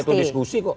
orang itu diskusi kok